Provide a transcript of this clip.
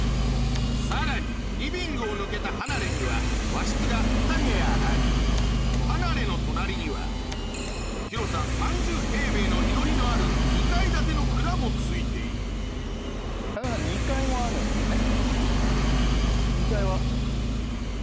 さらにリビングを抜けた離れには和室が２部屋あり離れの隣には広さ３０平米のいろりのある２階建ての蔵もついている２階もあるんすよね？